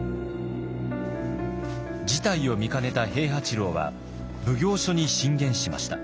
事態を見かねた平八郎は奉行所に進言しました。